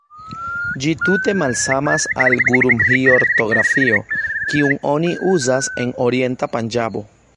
Ĝi tute malsamas al gurumuĥi-ortografio, kiun oni uzas en orienta Panĝabo.